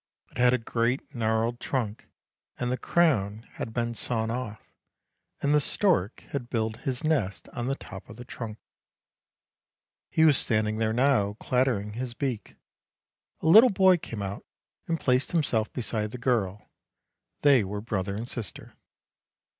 It had a great gnarled trunk, and the crown had been sawn off, and the stork had built his nest on the top of the trunk. He was standing there now clattering his beak. A little boy came out and placed himself beside the girl, they were brother and sister.